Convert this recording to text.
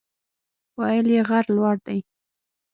ویل یې غر لوړ دی.